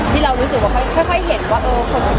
ที่เรารู้สึกค่อยเห็นว่าคนนี้ดีเข้ามา